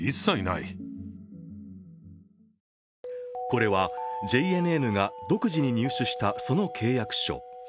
これはＪＮＮが独自に入手したその契約書。